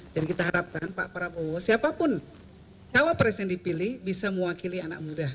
jadi kita harapkan pak prabowo siapapun jawab presen dipilih bisa mewakili anak muda